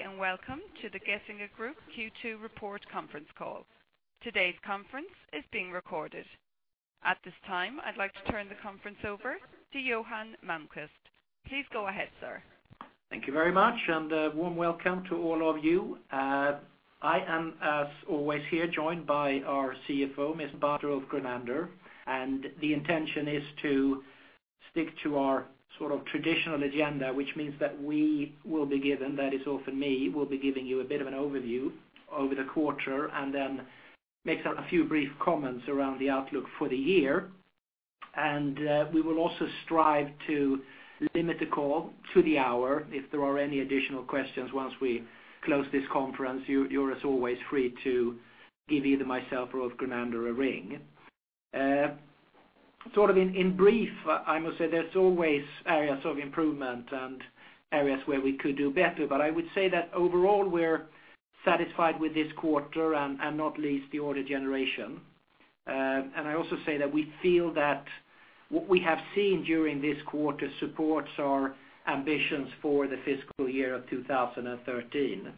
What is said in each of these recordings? Good day, and welcome to the Getinge Group Q2 report conference call. Today's conference is being recorded. At this time, I'd like to turn the conference over to Johan Malmquist. Please go ahead, sir. Thank you very much, and a warm welcome to all of you. I am, as always, here joined by our CFO, Mr. Ulf Grunander, and the intention is to stick to our sort of traditional agenda, which means that we will be given, that is often me, will be giving you a bit of an overview over the quarter, and then make a few brief comments around the outlook for the year. And, we will also strive to limit the call to the hour. If there are any additional questions, once we close this conference, you, you're as always, free to give either myself or Grunander a ring. Sort of in brief, I must say there's always areas of improvement and areas where we could do better, but I would say that overall, we're satisfied with this quarter and not least the order generation. And I also say that we feel that what we have seen during this quarter supports our ambitions for the fiscal year of 2013.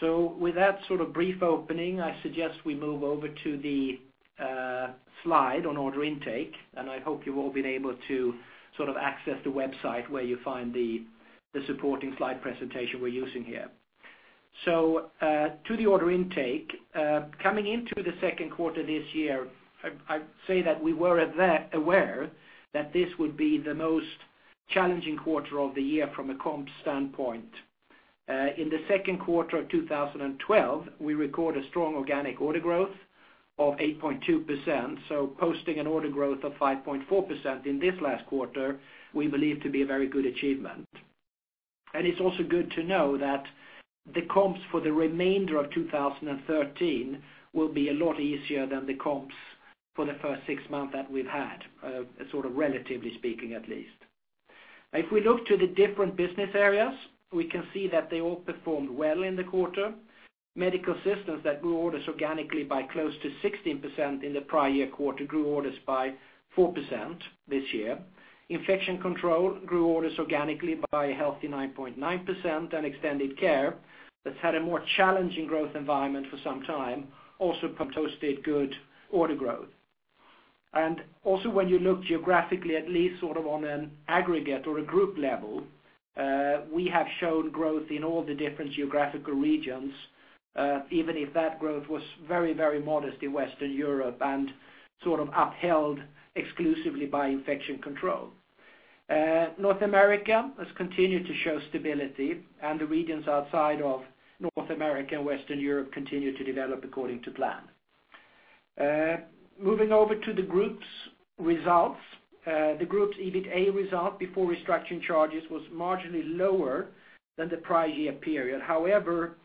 So with that sort of brief opening, I suggest we move over to the slide on order intake, and I hope you've all been able to sort of access the website where you find the supporting slide presentation we're using here. So, to the order intake, coming into the Q2 this year, I'd say that we were aware that this would be the most challenging quarter of the year from a comp standpoint. In the Q2 of 2012, we record a strong organic order growth of 8.2%, so posting an order growth of 5.4% in this last quarter, we believe to be a very good achievement. It's also good to know that the comps for the remainder of 2013 will be a lot easier than the comps for the first six months that we've had, sort of relatively speaking, at least. If we look to the different business areas, we can see that they all performed well in the quarter. Medical Systems that grew orders organically by close to 16% in the prior year quarter, grew orders by 4% this year. Infection Control grew orders organically by a healthy 9.9%, and extended care, that's had a more challenging growth environment for some time, also posted good order growth. When you look geographically, at least sort of on an aggregate or a group level, we have shown growth in all the different geographical regions, even if that growth was very, very modest in Western Europe and sort of upheld exclusively by Infection Control. North America has continued to show stability, and the regions outside of North America and Western Europe continue to develop according to plan. Moving over to the group's results, the group's EBITA result before restructuring charges was marginally lower than the prior year period. However,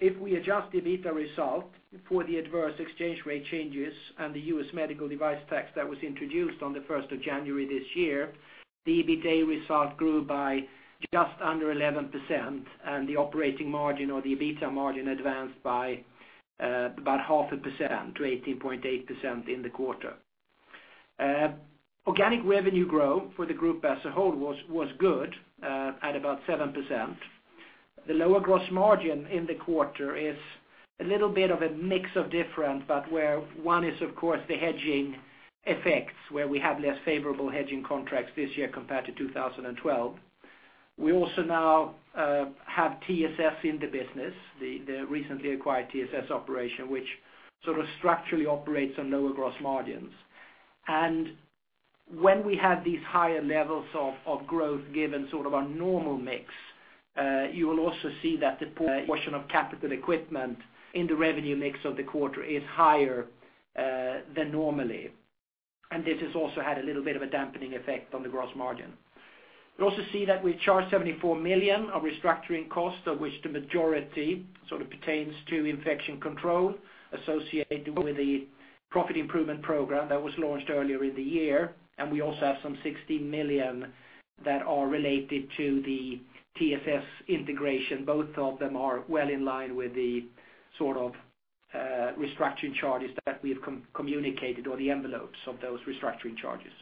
if we adjust the EBITA result for the adverse exchange rate changes and the U.S. Medical Device Tax that was introduced on the first of January this year, the EBITA result grew by just under 11%, and the operating margin, or the EBITA margin, advanced by about 0.5% to 18.8% in the quarter. Organic revenue growth for the group as a whole was good at about 7%. The lower gross margin in the quarter is a little bit of a mix of different, but where one is, of course, the hedging effects, where we have less favorable hedging contracts this year compared to 2012. We also now have TSS in the business, the recently acquired TSS operation, which sort of structurally operates on lower gross margins. When we have these higher levels of growth, given sort of our normal mix, you will also see that the portion of capital equipment in the revenue mix of the quarter is higher than normally. This has also had a little bit of a dampening effect on the gross margin. You'll also see that we charged 74 million of restructuring costs, of which the majority sort of pertains to Infection Control associated with the profit improvement program that was launched earlier in the year. We also have some 16 million that are related to the TSS integration. Both of them are well in line with the sort of restructuring charges that we have communicated, or the envelopes of those restructuring charges.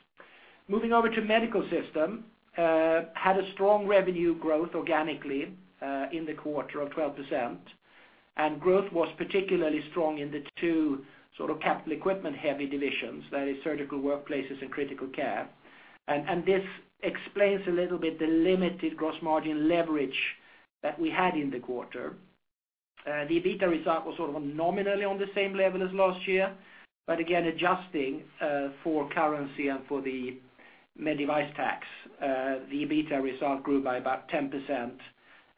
Moving over to Medical Systems, had a strong revenue growth organically, in the quarter of 12%, and growth was particularly strong in the two sort of capital equipment-heavy divisions, that is, surgical workplaces and Critical Care. And this explains a little bit the limited gross margin leverage that we had in the quarter. The EBITA result was sort of nominally on the same level as last year, but again, adjusting, for currency and for the Medical Device Tax, the EBITA result grew by about 10%,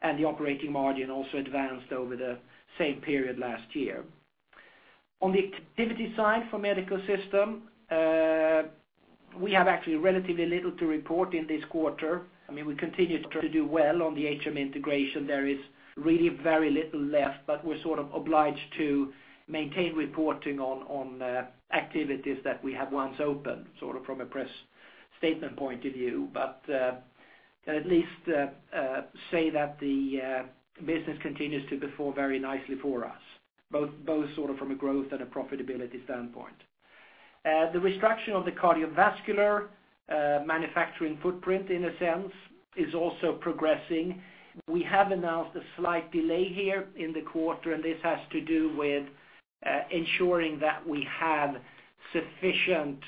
and the operating margin also advanced over the same period last year. On the activity side for Medical Systems, we have actually relatively little to report in this quarter. I mean, we continue to do well on the HM integration. There is really very little left, but we're sort of obliged to maintain reporting on activities that we have once opened, sort of from a press statement point of view. But at least say that the business continues to perform very nicely for us, both both sort of from a growth and a profitability standpoint. The restructure of the cardiovascular manufacturing footprint, in a sense, is also progressing. We have announced a slight delay here in the quarter, and this has to do with ensuring that we have sufficient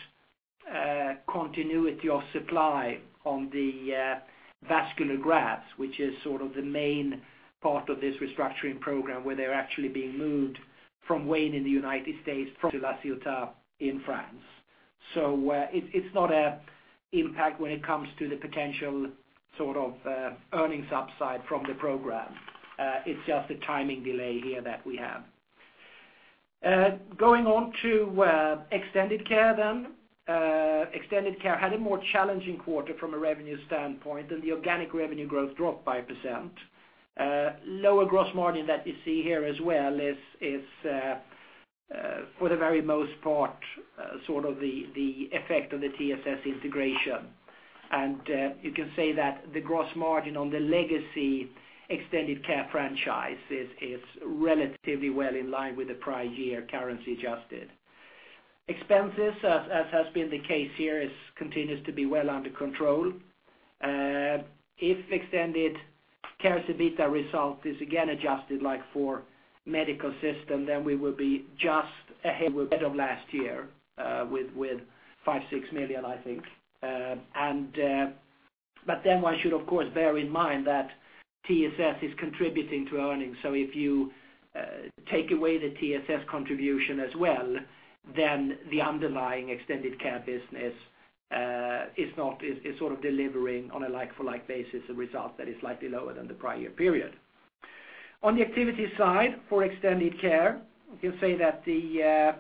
continuity of supply on the vascular grafts, which is sort of the main part of this restructuring program, where they're actually being moved from Wayne in the United States from La Ciotat in France. So, it's not an impact when it comes to the potential sort of earnings upside from the program. It's just a timing delay here that we have. Going on to extended care then. Extended care had a more challenging quarter from a revenue standpoint, and the organic revenue growth dropped by 1%. Lower gross margin that you see here as well is, for the very most part, sort of the effect of the TSS integration. You can say that the gross margin on the legacy extended care franchise is relatively well in line with the prior year, currency adjusted. Expenses, as has been the case here, continues to be well under control. If Extended Care's EBITA result is again adjusted, like for Medical Systems, then we will be just ahead of last year with 5 million-6 million, I think. But then one should, of course, bear in mind that TSS is contributing to earnings. So if you take away the TSS contribution as well, then the underlying Extended Care business is sort of delivering on a like-for-like basis a result that is slightly lower than the prior period. On the activity side, for extended care, you can say that the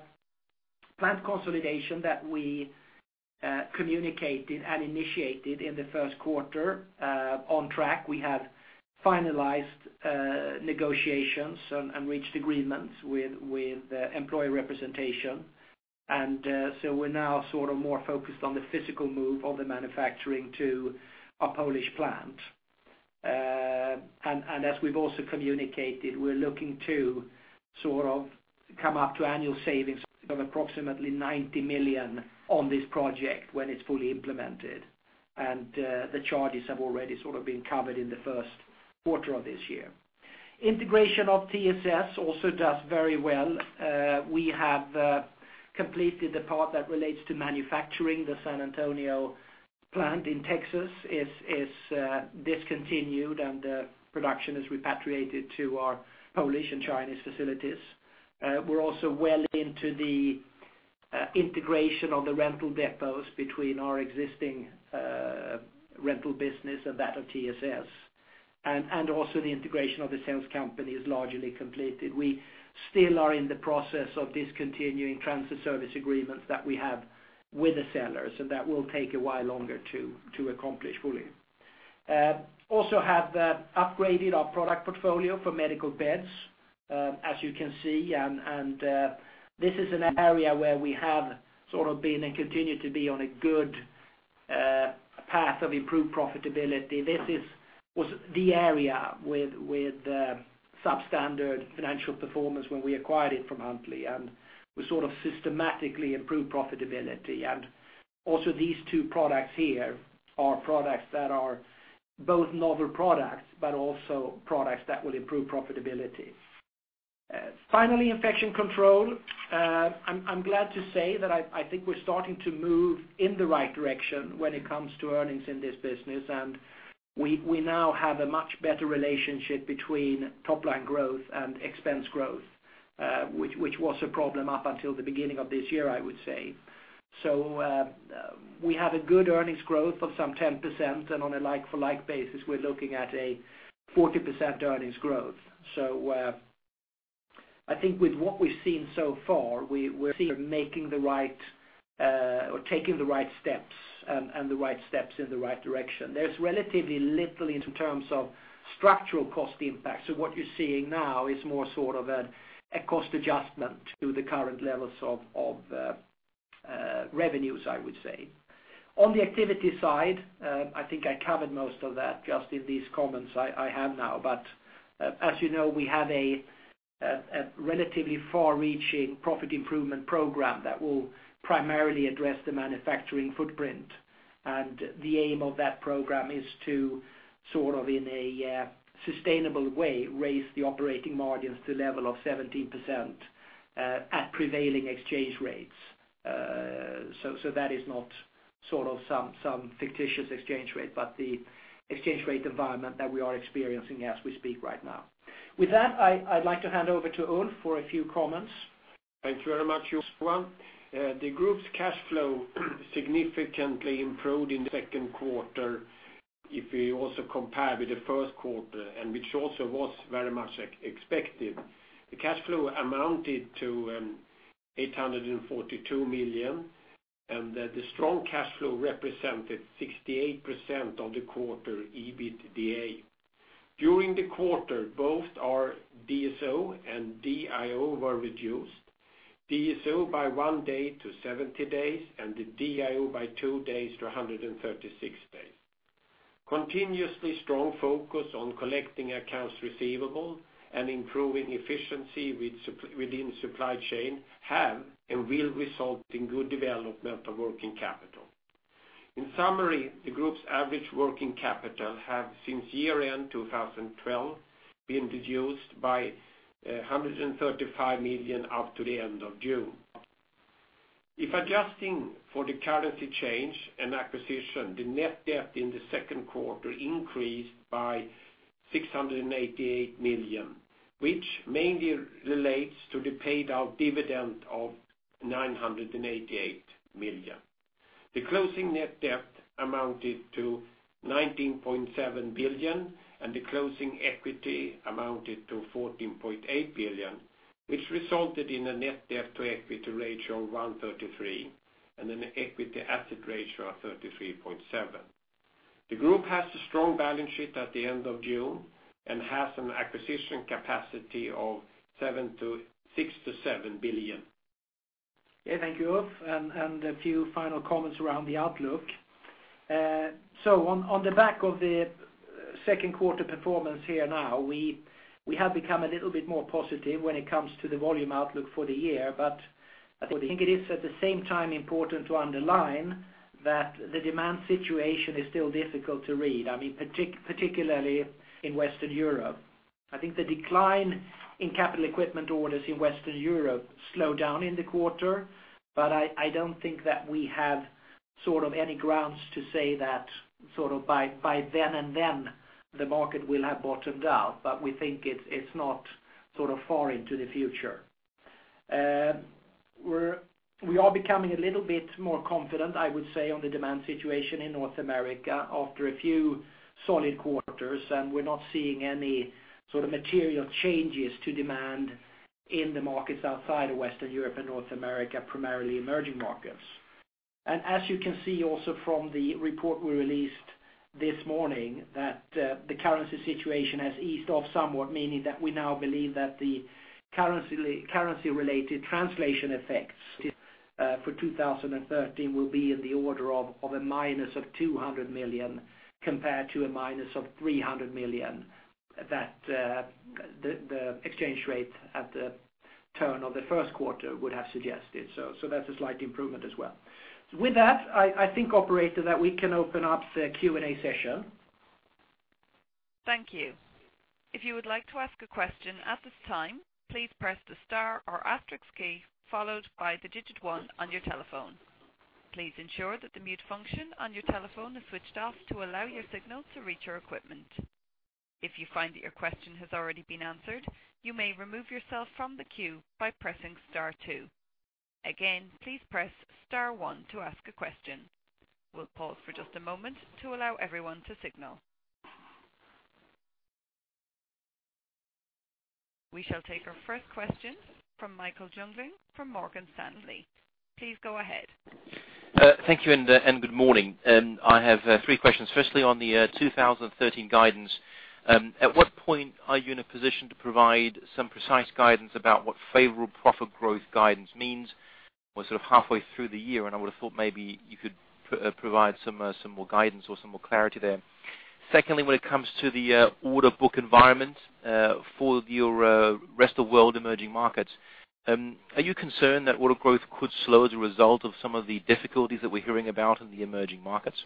plant consolidation that we communicated and initiated in the Q1 on track, we have finalized negotiations and reached agreements with employee representation. So we're now sort of more focused on the physical move of the manufacturing to our Polish plant. As we've also communicated, we're looking to sort of come up to annual savings of approximately 90 million on this project when it's fully implemented, and the charges have already sort of been covered in the Q1 of this year. Integration of TSS also does very well. We have completed the part that relates to manufacturing. The San Antonio plant in Texas is discontinued, and production is repatriated to our Polish and Chinese facilities. We're also well into the integration of the rental depots between our existing rental business and that of TSS. Also the integration of the sales company is largely completed. We still are in the process of discontinuing transit service agreements that we have with the sellers, and that will take a while longer to accomplish fully. Also have upgraded our product portfolio for medical beds, as you can see, and this is an area where we have sort of been and continue to be on a good path of improved profitability. This was the area with substandard financial performance when we acquired it from Huntleigh, and we sort of systematically improved profitability. Also, these two products here are products that are both novel products, but also products that will improve profitability. Finally, Infection Control. I'm glad to say that I think we're starting to move in the right direction when it comes to earnings in this business, and we now have a much better relationship between top line growth and expense growth, which was a problem up until the beginning of this year, I would say. So, we have a good earnings growth of some 10%, and on a like-for-like basis, we're looking at a 40% earnings growth. So, I think with what we've seen so far, we're making the right or taking the right steps, and the right steps in the right direction. There's relatively little in terms of structural cost impact, so what you're seeing now is more sort of a cost adjustment to the current levels of revenues, I would say. On the activity side, I think I covered most of that just in these comments I have now. But, as you know, we have a relatively far-reaching profit improvement program that will primarily address the manufacturing footprint. The aim of that program is to sort of, in a, sustainable way, raise the operating margins to a level of 17%, at prevailing exchange rates. So that is not sort of some fictitious exchange rate, but the exchange rate environment that we are experiencing as we speak right now. With that, I, I'd like to hand over to Ulf for a few comments. Thank you very much, Johan. The group's cash flow significantly improved in the Q2. If we also compare with the Q1, and which also was very much expected. The cash flow amounted to 842 million, and the strong cash flow represented 68% of the quarter EBITDA. During the quarter, both our DSO and DIO were reduced. DSO by one day to 70 days, and the DIO by two days to 136 days. Continuously strong focus on collecting accounts receivable and improving efficiency within supply chain have and will result in good development of working capital. In summary, the group's average working capital have, since year-end 2012, been reduced by 135 million up to the end of June. If adjusting for the currency change and acquisition, the net debt in the Q2 increased by 688 million, which mainly relates to the paid out dividend of 988 million. The closing net debt amounted to 19.7 billion, and the closing equity amounted to 14.8 billion, which resulted in a net debt to equity ratio of 1.33, and an equity asset ratio of 33.7. The group has a strong balance sheet at the end of June and has an acquisition capacity of 6 billion-7 billion. Yeah, thank you, Ulf, and a few final comments around the outlook. So on the back of the Q2 performance here now, we have become a little bit more positive when it comes to the volume outlook for the year. But I think it is, at the same time, important to underline that the demand situation is still difficult to read, I mean, particularly in Western Europe. I think the decline in capital equipment orders in Western Europe slowed down in the quarter, but I don't think that we have sort of any grounds to say that, sort of, by then, the market will have bottomed out. But we think it's not sort of far into the future. We are becoming a little bit more confident, I would say, on the demand situation in North America after a few solid quarters, and we're not seeing any sort of material changes to demand in the markets outside of Western Europe and North America, primarily emerging markets. And as you can see also from the report we released this morning, that the currency situation has eased off somewhat, meaning that we now believe that the currency-related translation effects for 2013 will be in the order of -200 million, compared to -300 million, that the exchange rate at the turn of the Q1 would have suggested. So that's a slight improvement as well. With that, I think, operator, that we can open up the Q&A session. Thank you. If you would like to ask a question at this time, please press the star or asterisk key, followed by the digit one on your telephone. Please ensure that the mute function on your telephone is switched off to allow your signal to reach our equipment. If you find that your question has already been answered, you may remove yourself from the queue by pressing star two. Again, please press star one to ask a question. We'll pause for just a moment to allow everyone to signal. We shall take our first question from Michael Jungling from Morgan Stanley. Please go ahead. Thank you, and good morning. I have three questions. Firstly, on the 2013 guidance, at what point are you in a position to provide some precise guidance about what favorable profit growth guidance means? We're sort of halfway through the year, and I would have thought maybe you could provide some more guidance or some more clarity there. Secondly, when it comes to the order book environment, for your rest of world emerging markets, are you concerned that order growth could slow as a result of some of the difficulties that we're hearing about in the emerging markets?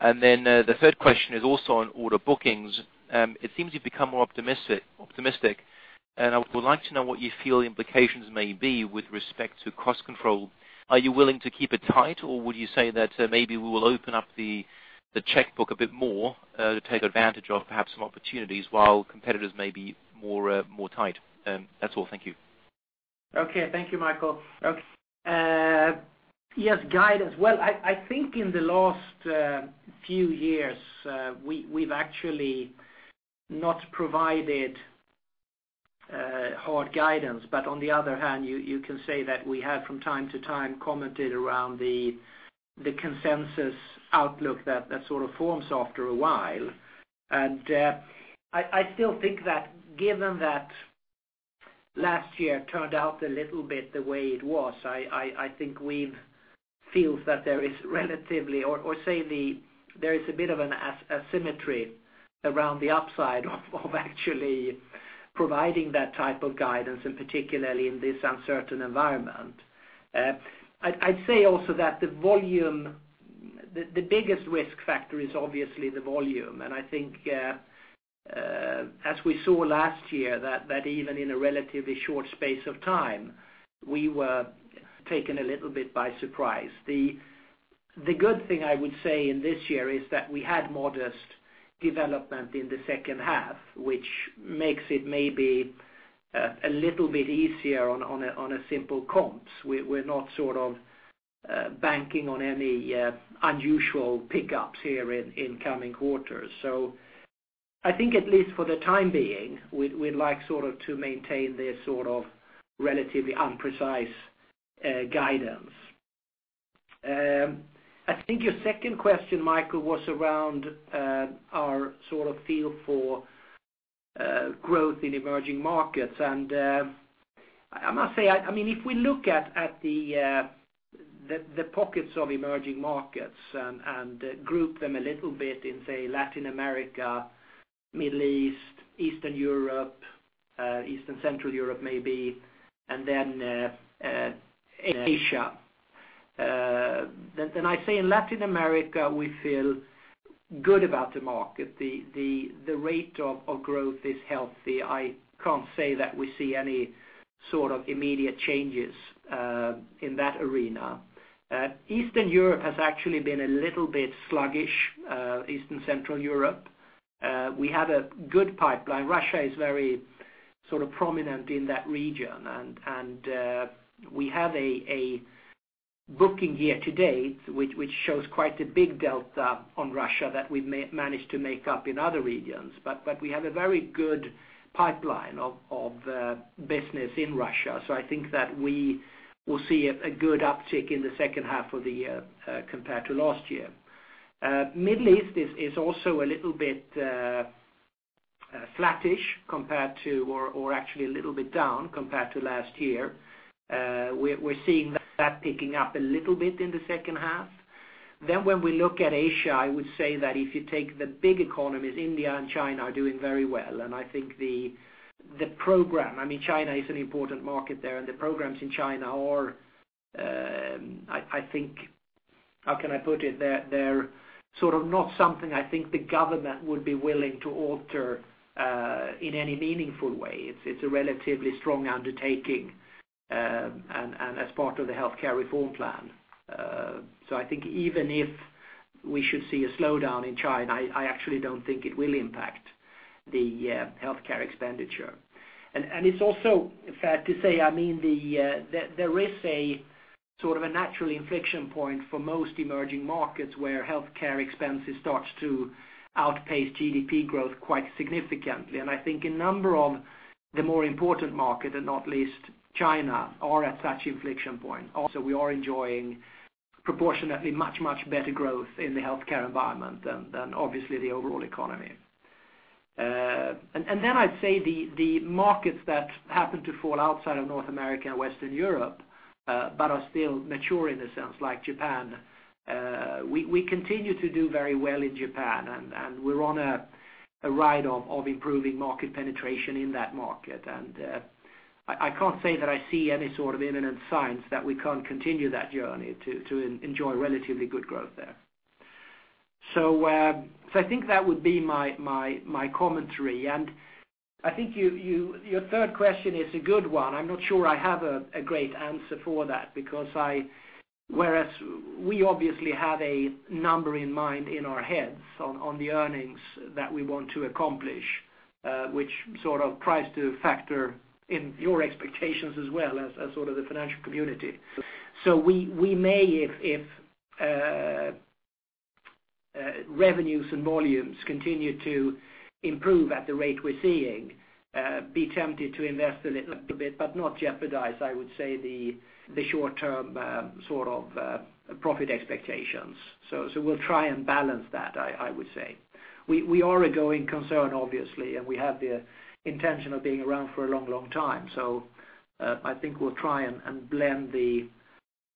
And then, the third question is also on order bookings. It seems you've become more optimistic, optimistic, and I would like to know what you feel the implications may be with respect to cost control. Are you willing to keep it tight, or would you say that maybe we will open up the checkbook a bit more to take advantage of perhaps some opportunities while competitors may be more tight? That's all. Thank you. Okay. Thank you, Michael. Yes, guidance. Well, I think in the last few years, we’ve actually not provided hard guidance. But on the other hand, you can say that we have, from time to time, commented around the consensus outlook that sort of forms after a while. And I still think that given that last year turned out a little bit the way it was, I think we feel that there is relatively, or say there is a bit of an asymmetry around the upside of actually providing that type of guidance, and particularly in this uncertain environment. I’d say also that the volume, the biggest risk factor is obviously the volume. I think, as we saw last year, that even in a relatively short space of time, we were taken a little bit by surprise. The good thing I would say in this year is that we had modest development in the second half, which makes it maybe a little bit easier on a simple comps. We're not sort of banking on any unusual pick-ups here in coming quarters. So I think at least for the time being, we'd like sort of to maintain this sort of relatively imprecise guidance. I think your second question, Michael, was around our sort of feel for growth in emerging markets. And... I must say, I mean, if we look at the pockets of emerging markets and group them a little bit in, say, Latin America, Middle East, Eastern Europe, Eastern Central Europe, maybe, and then Asia. Then I say in Latin America, we feel good about the market. The rate of growth is healthy. I can't say that we see any sort of immediate changes in that arena. Eastern Europe has actually been a little bit sluggish, Eastern Central Europe. We have a good pipeline. Russia is very sort of prominent in that region, and we have a booking year to date, which shows quite a big delta on Russia that we managed to make up in other regions. But we have a very good pipeline of business in Russia. So I think that we will see a good uptick in the second half of the year, compared to last year. Middle East is also a little bit flattish compared to, actually a little bit down compared to last year. We're seeing that picking up a little bit in the second half. Then when we look at Asia, I would say that if you take the big economies, India and China are doing very well. And I think the program, I mean, China is an important market there, and the programs in China are, I think... How can I put it? They're sort of not something I think the government would be willing to alter, in any meaningful way. It's a relatively strong undertaking, and as part of the healthcare reform plan. So I think even if we should see a slowdown in China, I actually don't think it will impact the healthcare expenditure. And it's also fair to say, I mean, there is a sort of a natural inflection point for most emerging markets, where healthcare expenses starts to outpace GDP growth quite significantly. And I think a number of the more important markets, and not least China, are at such inflection point. Also, we are enjoying proportionately much, much better growth in the healthcare environment than obviously the overall economy. And then I'd say the markets that happen to fall outside of North America and Western Europe, but are still mature in a sense, like Japan, we continue to do very well in Japan, and we're on a ride of improving market penetration in that market. And I can't say that I see any sort of imminent signs that we can't continue that journey to enjoy relatively good growth there. So I think that would be my commentary. And I think you, your third question is a good one. I'm not sure I have a great answer for that because whereas we obviously have a number in mind in our heads on the earnings that we want to accomplish, which sort of tries to factor in your expectations as well as sort of the financial community. So we may, if revenues and volumes continue to improve at the rate we're seeing, be tempted to invest a little bit, but not jeopardize, I would say, the short-term sort of profit expectations. So we'll try and balance that, I would say. We are a growing concern, obviously, and we have the intention of being around for a long time. So I think we'll try and blend the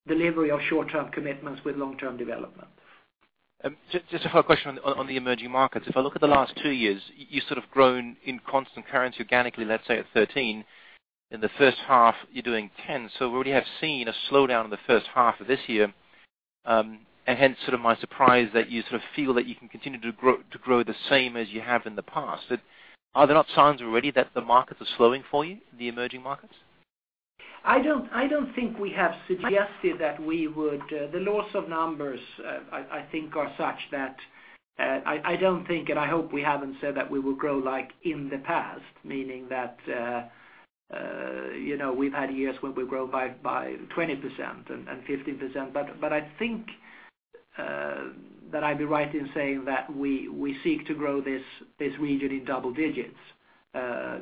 delivery of short-term commitments with long-term development. Just, just a follow-up question on, on the emerging markets. If I look at the last two years, you, you sort of grown in constant currency, organically, let's say, at 13. In the first half, you're doing 10. So we already have seen a slowdown in the first half of this year. And hence, sort of my surprise that you sort of feel that you can continue to grow, to grow the same as you have in the past. But are there not signs already that the markets are slowing for you, the emerging markets? I don't think we have suggested that we would. The laws of numbers, I think are such that, I don't think, and I hope we haven't said that we will grow like in the past, meaning that, you know, we've had years where we grow by 20% and 15%. But I think that I'd be right in saying that we seek to grow this region in double digits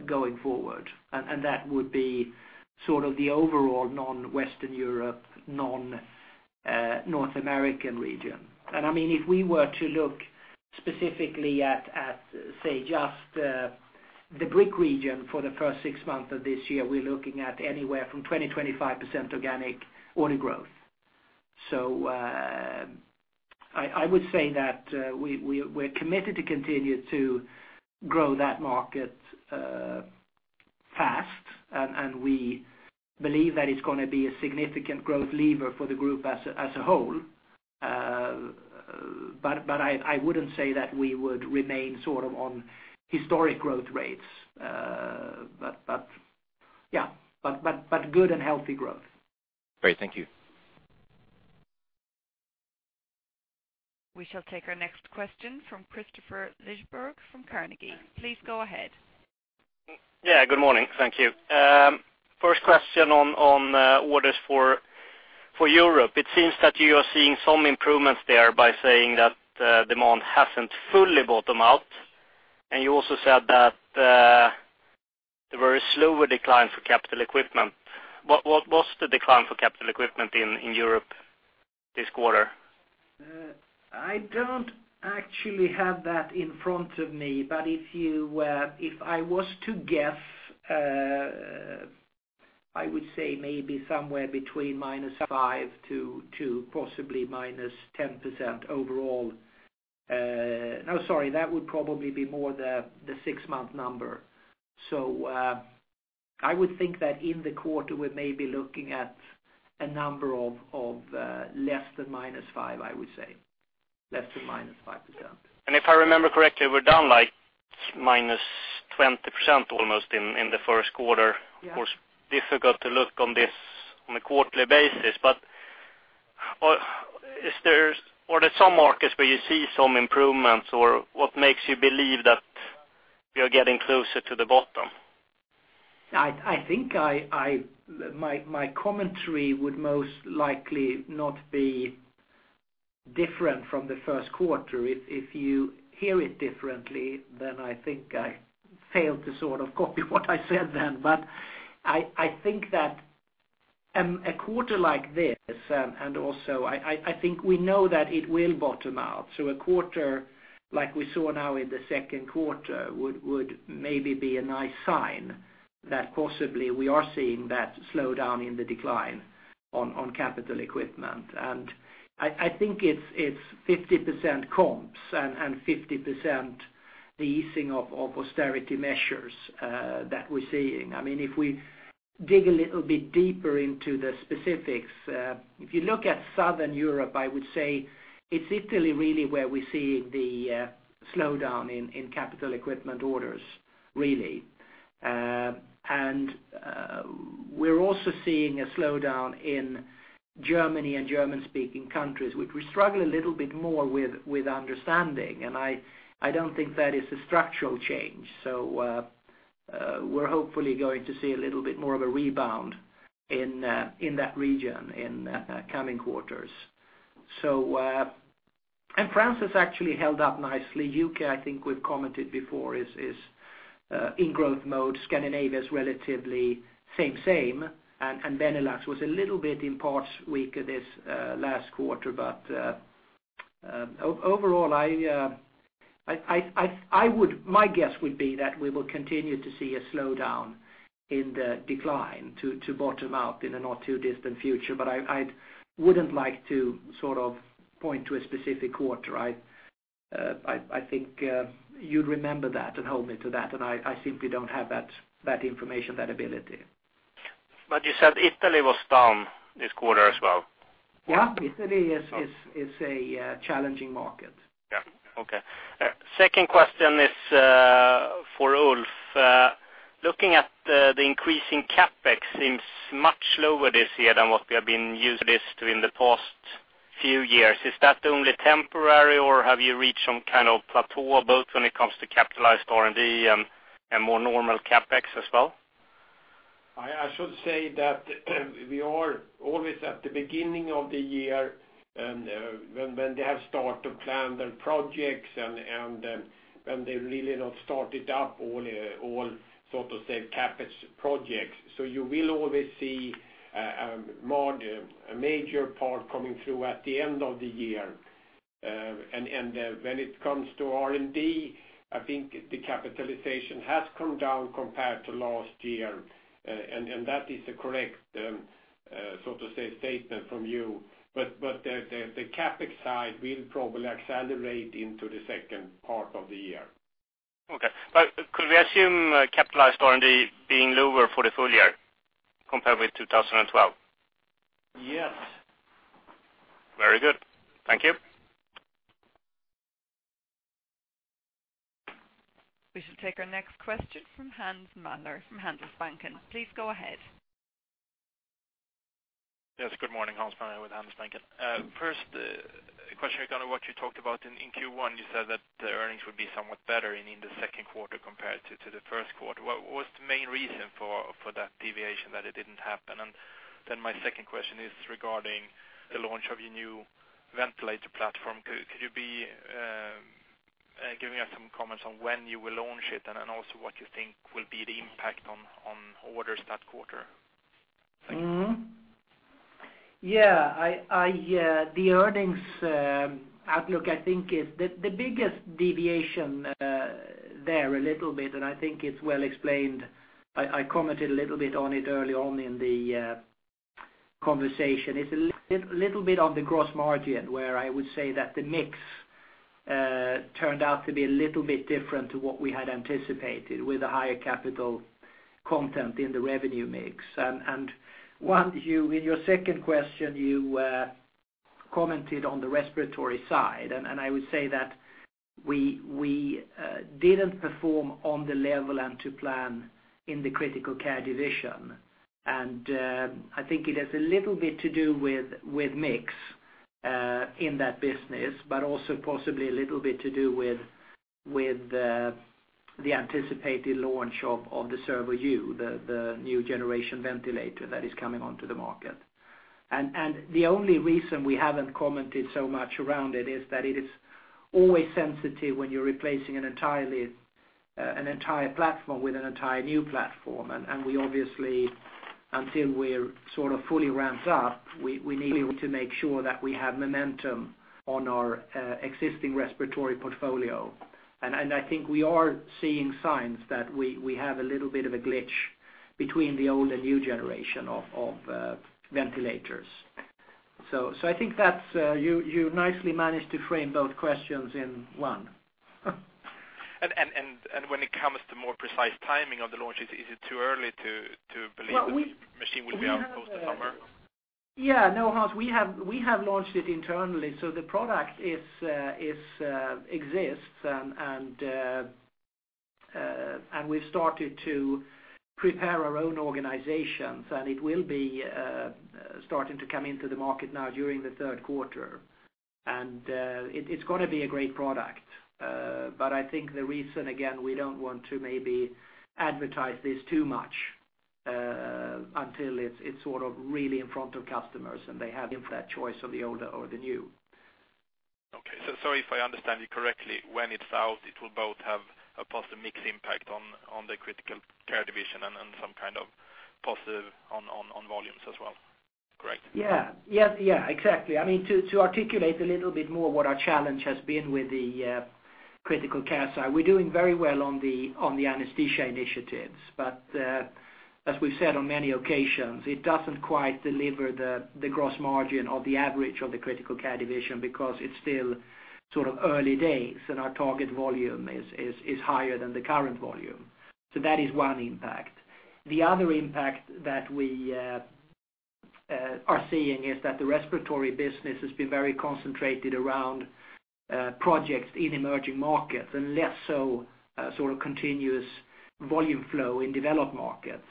going forward. And that would be sort of the overall non-Western Europe, non-North American region. And I mean, if we were to look specifically at, say, just the BRIC region for the first six months of this year, we're looking at anywhere from 20-25% organic order growth. So, I would say that we're committed to continue to grow that market fast, and we believe that it's gonna be a significant growth lever for the group as a whole. But I wouldn't say that we would remain sort of on historic growth rates. But yeah, but good and healthy growth. Great. Thank you. We shall take our next question from Kristofer Liljeberg, from Carnegie. Please go ahead. Yeah, good morning. Thank you. First question on orders for Europe. It seems that you are seeing some improvements there by saying that demand hasn't fully bottomed out. And you also said that the very slower decline for capital equipment. What was the decline for capital equipment in Europe this quarter? I don't actually have that in front of me, but if I was to guess, I would say maybe somewhere between -5% to -10% overall. No, sorry, that would probably be more the 6-month number. So, I would think that in the quarter, we may be looking at a number of less than -5%, I would say. Less than -5%. If I remember correctly, we're down like -20% almost in the Q1. Yeah. Of course, difficult to look on this on a quarterly basis, but, is there, are there some markets where you see some improvements, or what makes you believe that we are getting closer to the bottom? I think my commentary would most likely not be different from the Q1. If you hear it differently, then I think I failed to sort of copy what I said then. But I think that a quarter like this and also I think we know that it will bottom out. So a quarter like we saw now in the Q2 would maybe be a nice sign that possibly we are seeing that slowdown in the decline on capital equipment. And I think it's 50% comps and 50% the easing of austerity measures that we're seeing. I mean, if we dig a little bit deeper into the specifics, if you look at Southern Europe, I would say it's Italy, really, where we're seeing the slowdown in capital equipment orders, really. And we're also seeing a slowdown in Germany and German-speaking countries, which we struggle a little bit more with understanding, and I don't think that is a structural change. So, we're hopefully going to see a little bit more of a rebound in that region in coming quarters. So... And France has actually held up nicely. UK, I think we've commented before, is in growth mode. Scandinavia is relatively same, and Benelux was a little bit in parts weaker this last quarter. But overall, my guess would be that we will continue to see a slowdown in the decline to bottom out in the not-too-distant future, but I wouldn't like to sort of point to a specific quarter. I think you'd remember that and hold me to that, and I simply don't have that information, that ability. But you said Italy was down this quarter as well? Yeah, Italy is a challenging market. Yeah. Okay. Second question is for Ulf. Looking at the increasing CapEx seems much lower this year than what we have been used to this in the past few years. Is that only temporary, or have you reached some kind of plateau, both when it comes to capitalized R&D and more normal CapEx as well? I should say that we are always at the beginning of the year, and when they have started to plan their projects and when they've really not started up all, so to say, CapEx projects. So you will always see more, a major part coming through at the end of the year. And when it comes to R&D, I think the capitalization has come down compared to last year. And that is a correct, so to say, statement from you. But the CapEx side will probably accelerate into the second part of the year. Okay. But could we assume capitalized R&D being lower for the full year compared with 2012? Yes. Very good. Thank you. We should take our next question from Hans Mähler from Handelsbanken. Please go ahead. Yes, good morning, Hans Mähler with Handelsbanken. First, question, kind of what you talked about in Q1, you said that the earnings would be somewhat better in the Q2 compared to the Q1. What's the main reason for that deviation, that it didn't happen? And then my second question is regarding the launch of your new ventilator platform. Could you be giving us some comments on when you will launch it, and then also what you think will be the impact on orders that quarter? Thank you. Mm-hmm. Yeah, I the earnings outlook, I think, is the biggest deviation there a little bit, and I think it's well explained. I commented a little bit on it early on in the conversation. It's a little bit on the gross margin, where I would say that the mix turned out to be a little bit different to what we had anticipated, with a higher capital content in the revenue mix. And once you, in your second question, you commented on the respiratory side, and I would say that we didn't perform on the level and to plan in the critical care division. I think it has a little bit to do with mix in that business, but also possibly a little bit to do with the anticipated launch of the Servo-U, the new generation ventilator that is coming onto the market. The only reason we haven't commented so much around it is that it is always sensitive when you're replacing an entire platform with an entire new platform. We obviously, until we're sort of fully ramped up, need to make sure that we have momentum on our existing respiratory portfolio. I think we are seeing signs that we have a little bit of a glitch between the old and new generation of ventilators. So, I think that's you nicely managed to frame both questions in one. And when it comes to more precise timing of the launch, is it too early to believe- Well, we- -The machine will be out post the summer? Yeah, no, Hans, we have, we have launched it internally, so the product exists. And we've started to prepare our own organizations, and it will be starting to come into the market now during the Q3. And it's gonna be a great product. But I think the reason, again, we don't want to maybe advertise this too much, until it's sort of really in front of customers, and they have that choice of the older or the new. Okay. So if I understand you correctly, when it's out, it will both have a positive mix impact on the critical care division and some kind of positive on volumes as well, correct? Yeah. Yes, yeah, exactly. I mean, to articulate a little bit more what our challenge has been with the critical care side, we're doing very well on the anesthesia initiatives. But as we've said on many occasions, it doesn't quite deliver the gross margin or the average of the critical care division because it's still sort of early days, and our target volume is higher than the current volume. So that is one impact. The other impact that we are seeing is that the respiratory business has been very concentrated around projects in emerging markets and less so sort of continuous volume flow in developed markets.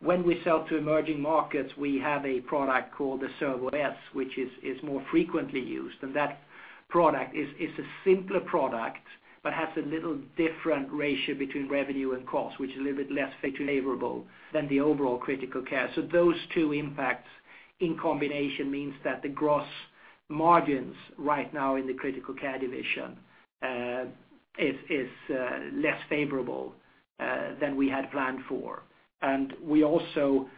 When we sell to emerging markets, we have a product called the Servo-s, which is more frequently used, and that product is a simpler product, but has a little different ratio between revenue and cost, which is a little bit less favorable than the overall critical care. So those two impacts in combination means that the gross margins right now in the critical care division is less favorable than we had planned for. And we also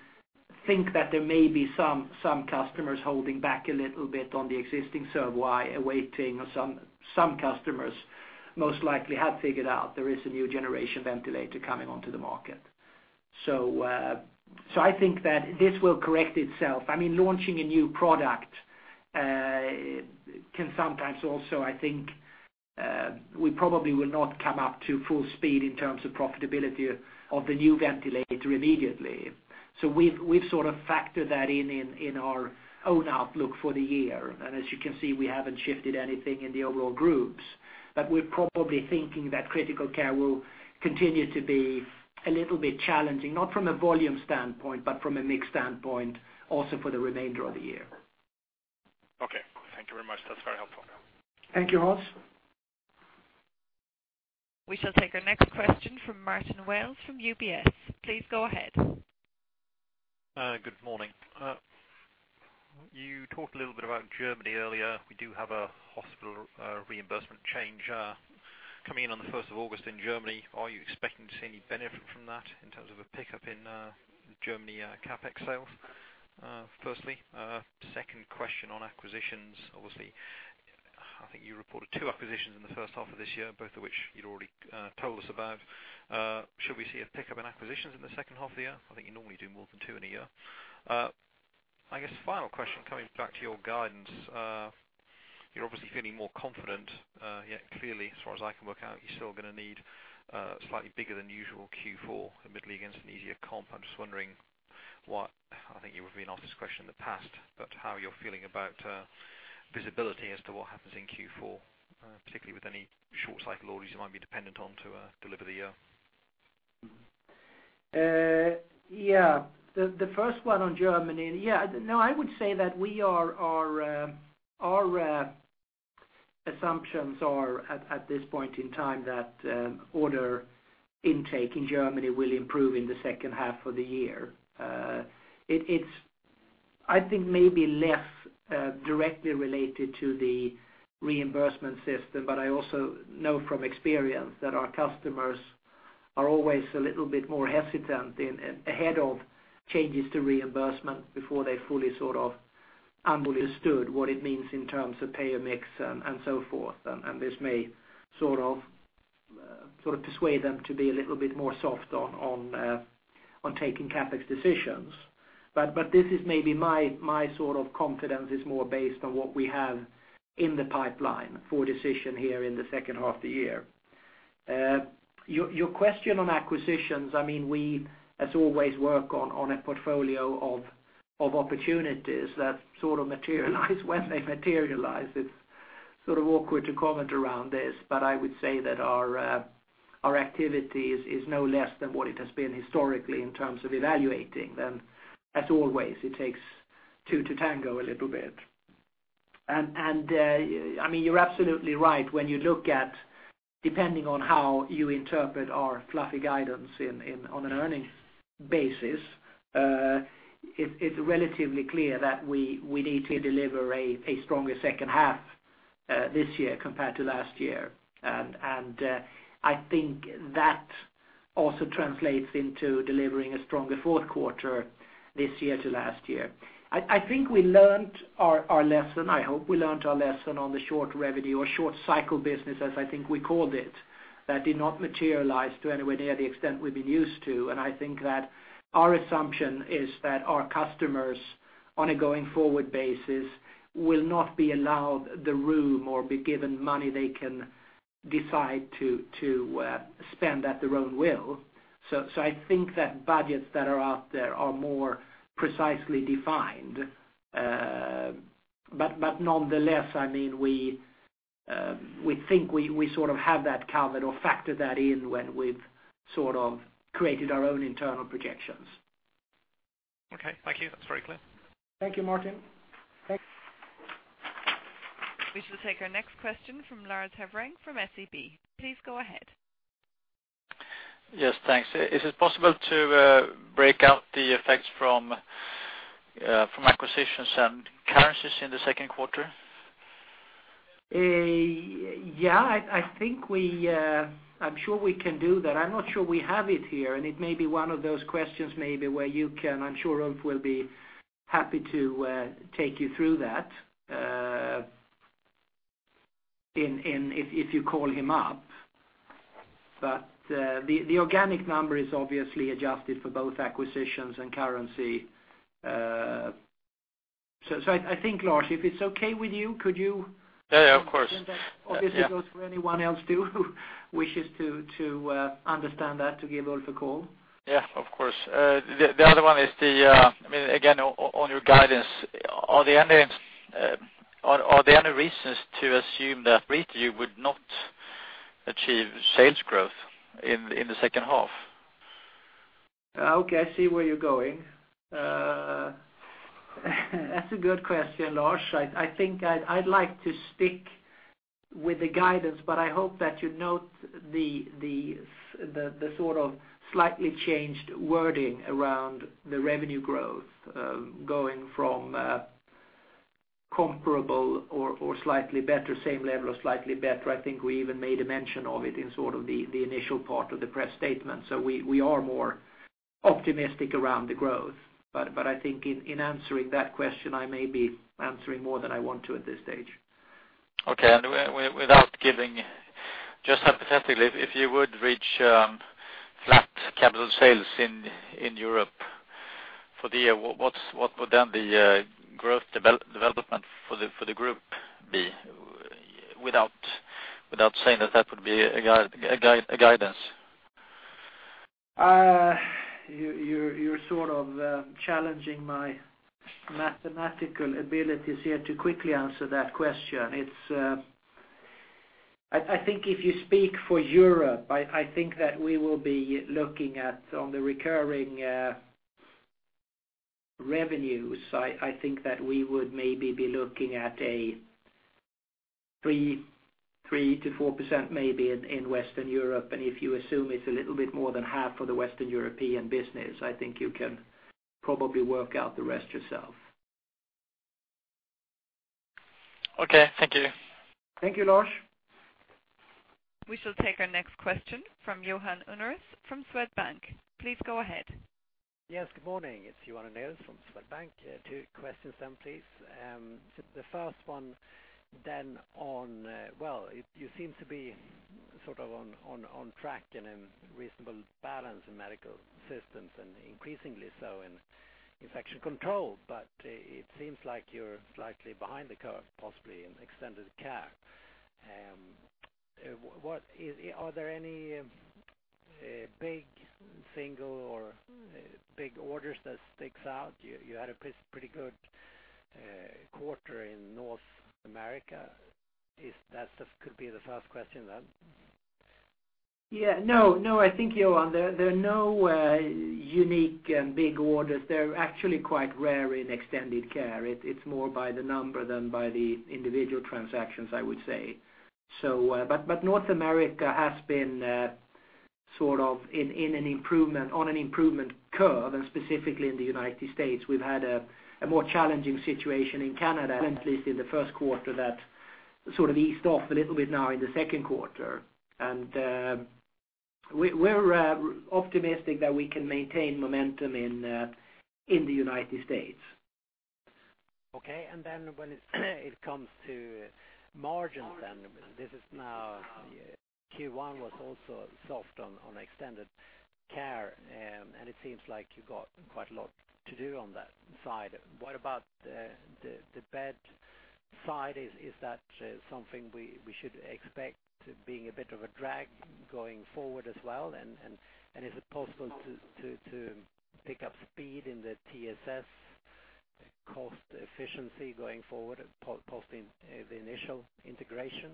think that there may be some customers holding back a little bit on the existing Servo-i, awaiting some. Some customers most likely have figured out there is a new generation ventilator coming onto the market. So I think that this will correct itself. I mean, launching a new product can sometimes also, I think, we probably will not come up to full speed in terms of profitability of the new ventilator immediately. So we've sort of factored that in our own outlook for the year. And as you can see, we haven't shifted anything in the overall groups. But we're probably thinking that critical care will continue to be a little bit challenging, not from a volume standpoint, but from a mix standpoint, also for the remainder of the year. Okay. Thank you very much. That's very helpful. Thank you, Hans. We shall take our next question from Martin Wales from UBS. Please go ahead. Good morning. You talked a little bit about Germany earlier. We do have a hospital reimbursement change coming in on the first of August in Germany. Are you expecting to see any benefit from that in terms of a pickup in Germany CapEx sales, firstly? Second question on acquisitions, obviously, I think you reported 2 acquisitions in the first half of this year, both of which you'd already told us about. Should we see a pickup in acquisitions in the second half of the year? I think you normally do more than 2 in a year. I guess final question, coming back to your guidance, you're obviously feeling more confident, yet clearly, as far as I can work out, you're still gonna need slightly bigger than usual Q4 admittedly against an easier comp. I'm just wondering what, I think you would have been asked this question in the past, but how you're feeling about visibility as to what happens in Q4, particularly with any short cycle orders you might be dependent on to deliver the year? Yeah. The first one on Germany, yeah. No, I would say that our assumptions are, at this point in time, that order intake in Germany will improve in the second half of the year. It's, I think, maybe less directly related to the reimbursement system, but I also know from experience that our customers are always a little bit more hesitant ahead of changes to reimbursement before they fully sort of understood what it means in terms of payer mix and so forth. And this may sort of persuade them to be a little bit more soft on taking CapEx decisions. But this is maybe my sort of confidence is more based on what we have in the pipeline for decision here in the second half of the year. Your question on acquisitions, I mean, we as always work on a portfolio of opportunities that sort of materialize when they materialize. It's sort of awkward to comment around this, but I would say that our activity is no less than what it has been historically in terms of evaluating. Then, as always, it takes two to tango a little bit. And I mean, you're absolutely right, when you look at, depending on how you interpret our fluffy guidance in on an earnings basis, it's relatively clear that we need to deliver a stronger second half this year compared to last year. I think that also translates into delivering a stronger Q4 this year to last year. I think we learned our lesson. I hope we learned our lesson on the short revenue or short cycle business, as I think we called it, that did not materialize to anywhere near the extent we've been used to. I think that our assumption is that our customers, on a going forward basis, will not be allowed the room or be given money they can decide to spend at their own will. I think that budgets that are out there are more precisely defined. Nonetheless, I mean, we think we sort of have that covered or factored that in when we've sort of created our own internal projections. Okay, thank you. That's very clear. Thank you, Martin. We shall take our next question from Lars Hevreng, from SEB. Please go ahead. Yes, thanks. Is it possible to break out the effects from acquisitions and currencies in the Q2? Yeah, I think we can do that. I'm not sure we have it here, and it may be one of those questions maybe where you can—I'm sure Ulf will be happy to take you through that, if you call him up. But, the organic number is obviously adjusted for both acquisitions and currency. So, I think, Lars, if it's okay with you, could you- Yeah, of course. Obviously, goes for anyone else, too, who wishes to understand that, to give Ulf a call. Yeah, of course. The other one is, I mean, again, on your guidance, are there any reasons to assume that you would not achieve sales growth in the second half? Okay, I see where you're going. That's a good question, Lars. I think I'd like to stick with the guidance, but I hope that you note the sort of slightly changed wording around the revenue growth, going from comparable or slightly better, same level or slightly better. I think we even made a mention of it in sort of the initial part of the press statement. So we are more optimistic around the growth. But I think in answering that question, I may be answering more than I want to at this stage. Okay. Without giving... Just hypothetically, if you would reach flat capital sales in Europe for the year, what would then the growth development for the group be? Without saying that that would be a guidance. You're sort of challenging my mathematical abilities here to quickly answer that question. I think if you speak for Europe, I think that we will be looking at, on the recurring revenues, I think that we would maybe be looking at 3%-4% maybe in Western Europe. And if you assume it's a little bit more than half of the Western European business, I think you can probably work out the rest yourself. Okay, thank you. Thank you, Lars. We shall take our next question from Johan Unnérus from Swedbank. Please go ahead. Yes, good morning. It's Johan Unnérus from Swedbank. Two questions then, please. The first one then on, well, you seem to be sort of on track and in reasonable balance in medical systems, and increasingly so in infection control. But, it seems like you're slightly behind the curve, possibly in extended care. Are there any big single or big orders that sticks out? You had a pretty good quarter in North America. Is that the, could be the first question then? Yeah, no, no, I think, Johan, there, there are no unique and big orders. They're actually quite rare in extended care. It's, it's more by the number than by the individual transactions, I would say. But North America has been sort of in, in an improvement, on an improvement curve, and specifically in the United States. We've had a more challenging situation in Canada, at least in the Q1, that sort of eased off a little bit now in the Q2. We're optimistic that we can maintain momentum in the United States. Okay. And then when it comes to margins, then this is now Q1 was also soft on Extended Care, and it seems like you got quite a lot to do on that side. What about the bed side? Is that something we should expect to being a bit of a drag going forward as well? And is it possible to pick up speed in the TSS cost efficiency going forward, post the initial integration?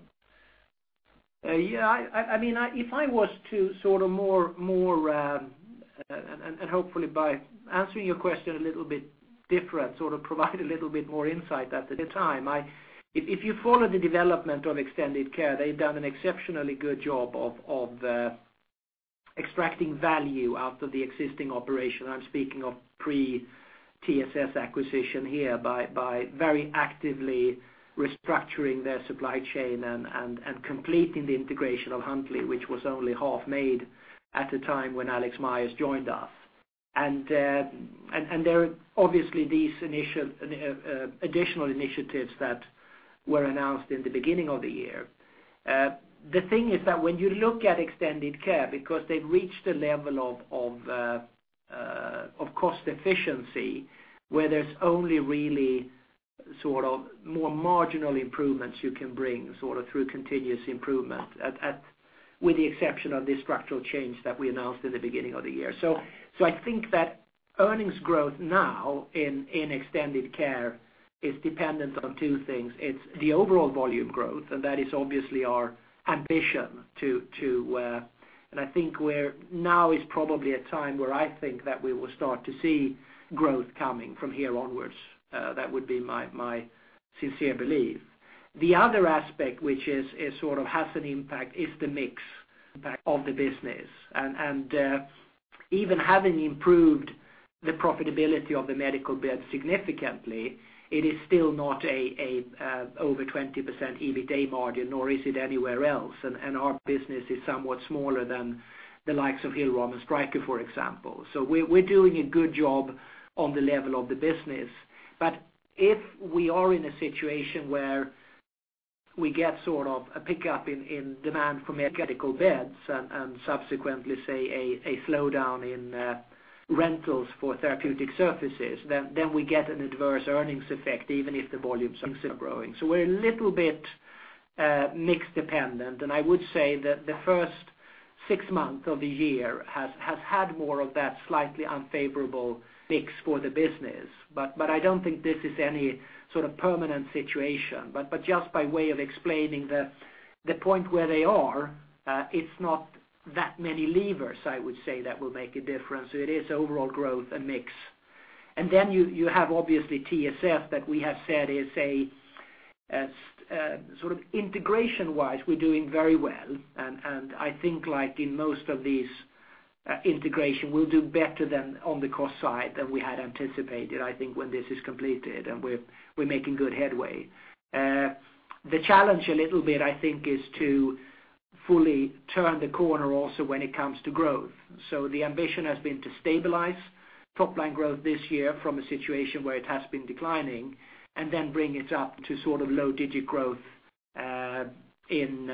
Yeah, I mean, if I was to sort of more, and hopefully by answering your question a little bit different, sort of provide a little bit more insight at the time. If you follow the development of Extended Care, they've done an exceptionally good job of extracting value out of the existing operation. I'm speaking of pre-TSS acquisition here by very actively restructuring their supply chain and completing the integration of Huntleigh, which was only half made at the time when Alex Myers joined us. And there are obviously these initial additional initiatives that were announced in the beginning of the year. The thing is that when you look at extended care, because they've reached a level of cost efficiency, where there's only really sort of more marginal improvements you can bring, sort of through continuous improvement, with the exception of the structural change that we announced at the beginning of the year. So I think that earnings growth now in extended care is dependent on two things. It's the overall volume growth, and that is obviously our ambition to, and I think where now is probably a time where I think that we will start to see growth coming from here onwards. That would be my sincere belief. The other aspect, which is sort of has an impact, is the mix of the business. Even having improved the profitability of the medical bed significantly, it is still not a over 20% EBITA margin, nor is it anywhere else. Our business is somewhat smaller than the likes of Hill-Rom and Stryker, for example. So we're doing a good job on the level of the business. But if we are in a situation where we get sort of a pickup in demand for medical beds and subsequently, say, a slowdown in rentals for therapeutic surfaces, then we get an adverse earnings effect, even if the volumes are growing. So we're a little bit mix dependent, and I would say that the first six months of the year has had more of that slightly unfavorable mix for the business. But I don't think this is any sort of permanent situation. But, but just by way of explaining the, the point where they are, it's not that many levers, I would say, that will make a difference. So it is overall growth and mix. And then you, you have, obviously, TSS, that we have said is a, sort of integration-wise, we're doing very well. And, and I think, like in most of these, integration, we'll do better than on the cost side than we had anticipated, I think, when this is completed, and we're, we're making good headway. The challenge a little bit, I think, is to fully turn the corner also when it comes to growth. So the ambition has been to stabilize top line growth this year from a situation where it has been declining, and then bring it up to sort of low digit growth in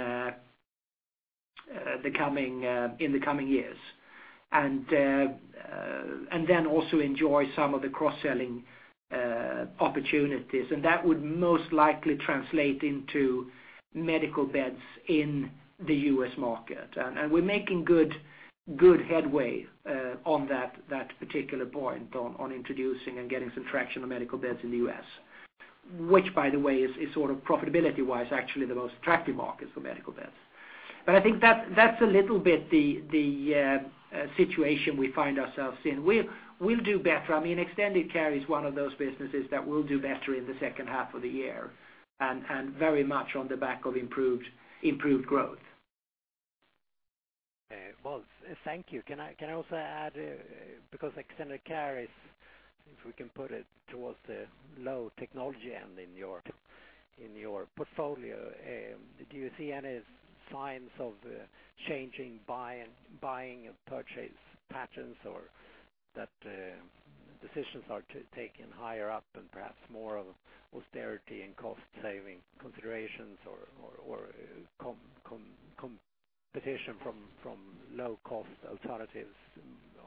the coming years. And then also enjoy some of the cross-selling opportunities, and that would most likely translate into medical beds in the U.S. market. And we're making good headway on that particular point, on introducing and getting some traction on medical beds in the U.S., which, by the way, is sort of profitability-wise, actually the most attractive market for medical beds. But I think that's a little bit the situation we find ourselves in. We'll do better. I mean, extended care is one of those businesses that will do better in the second half of the year, and very much on the back of improved growth. Well, thank you. Can I also add, because Extended Care is, if we can put it towards the low technology end in your portfolio, do you see any signs of changing buying and purchase patterns, or that decisions are being taken higher up and perhaps more of austerity and cost saving considerations or competition from low cost alternatives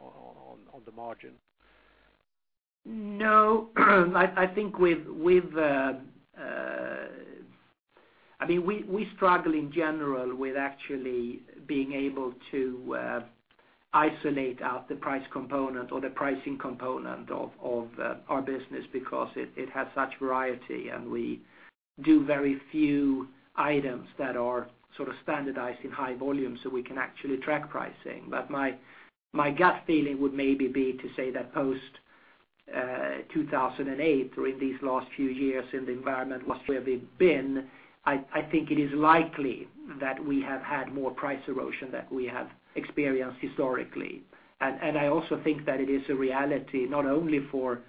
on the margin? No, I think with... I mean, we struggle in general with actually being able to isolate out the price component or the pricing component of our business because it has such variety, and we do very few items that are sort of standardized in high volume, so we can actually track pricing. But my gut feeling would maybe be to say that post 2008, or in these last few years, in the environment what where we've been, I think it is likely that we have had more price erosion than we have experienced historically. And I also think that it is a reality, not only for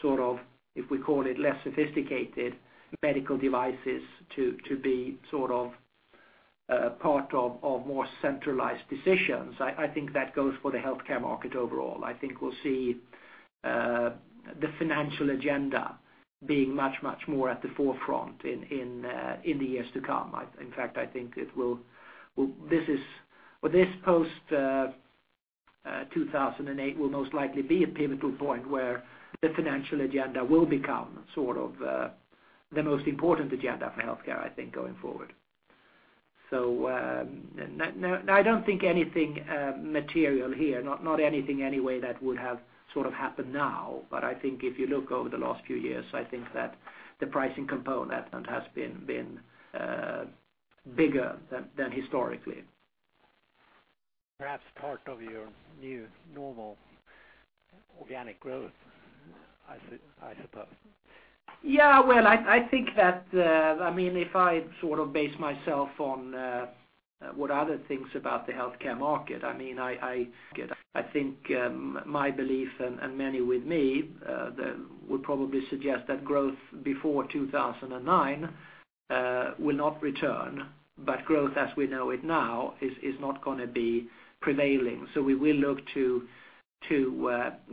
sort of, if we call it less sophisticated medical devices, to be sort of part of more centralized decisions. I think that goes for the healthcare market overall. I think we'll see the financial agenda being much, much more at the forefront in the years to come. In fact, I think it will—this is, well, this post-2008 will most likely be a pivotal point where the financial agenda will become sort of the most important agenda for healthcare, I think, going forward. So, no, no, I don't think anything material here, not anything anyway that would have sort of happened now. But I think if you look over the last few years, I think that the pricing component has been bigger than historically. Perhaps part of your new normal organic growth, I suppose. ...Yeah, well, I think that, I mean, if I sort of base myself on what other things about the healthcare market, I mean, I get, I think, my belief and many with me, they would probably suggest that growth before 2009 will not return, but growth as we know it now is not going to be prevailing. So we will look to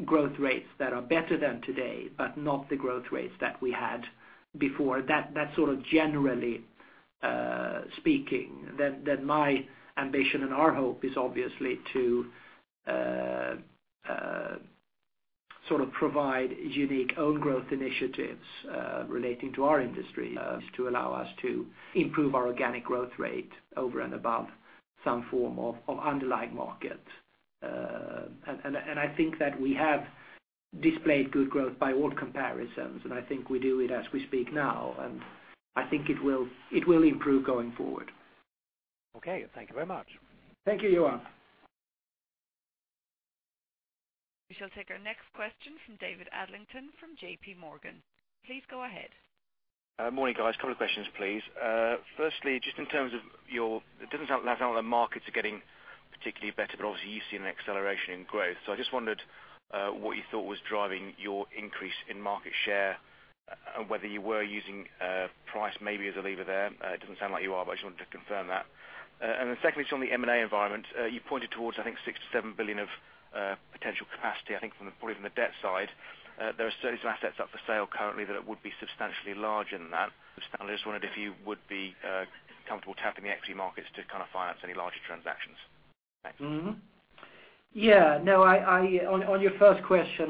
growth rates that are better than today, but not the growth rates that we had before. That sort of, generally speaking, my ambition and our hope is obviously to sort of provide unique own growth initiatives relating to our industry to allow us to improve our organic growth rate over and above some form of underlying market. I think that we have displayed good growth by all comparisons, and I think we do it as we speak now, and I think it will improve going forward. Okay. Thank you very much. Thank you, Johan. We shall take our next question from David Adlington from JP Morgan. Please go ahead. Morning, guys. A couple of questions, please. Firstly, just in terms of your, it doesn't sound like the markets are getting particularly better, but obviously you've seen an acceleration in growth. So I just wondered what you thought was driving your increase in market share, and whether you were using price maybe as a lever there? It doesn't sound like you are, but I just wanted to confirm that. And then secondly, on the M&A environment, you pointed towards, I think, 6-7 billion of potential capacity, I think, from the, probably from the debt side. There are certainly some assets up for sale currently that it would be substantially larger than that. I just wondered if you would be comfortable tapping the equity markets to kind of finance any larger transactions. Thanks. Mm-hmm. Yeah. No, on your first question,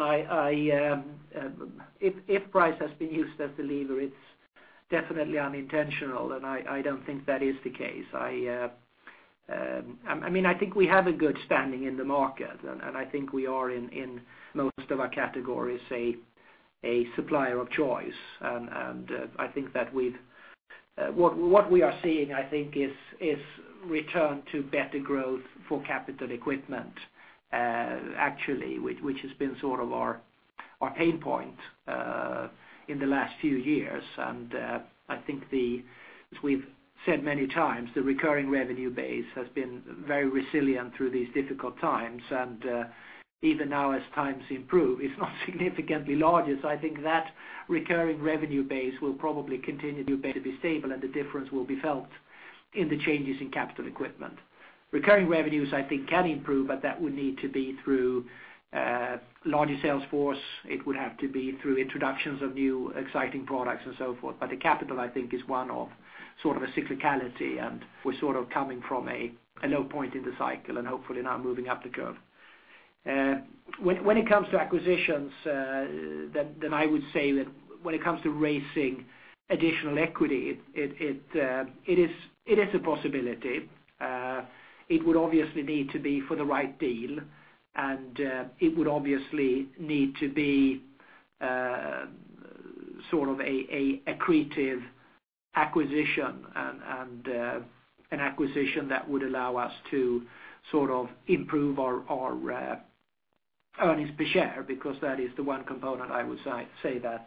if price has been used as the lever, it's definitely unintentional, and I don't think that is the case. I mean, I think we have a good standing in the market, and I think we are in most of our categories, a supplier of choice. And I think that what we are seeing, I think, is return to better growth for capital equipment, actually, which has been sort of our pain point in the last few years. And I think, as we've said many times, the recurring revenue base has been very resilient through these difficult times, and even now as times improve, it's not significantly larger. So I think that recurring revenue base will probably continue to be stable, and the difference will be felt in the changes in capital equipment. Recurring revenues, I think, can improve, but that would need to be through larger sales force. It would have to be through introductions of new, exciting products and so forth. But the capital, I think, is one of sort of a cyclicality, and we're sort of coming from a low point in the cycle and hopefully now moving up the curve. When it comes to acquisitions, then I would say that when it comes to raising additional equity, it is a possibility. It would obviously need to be for the right deal, and it would obviously need to be sort of a accretive acquisition and an acquisition that would allow us to sort of improve our earnings per share, because that is the one component I would say that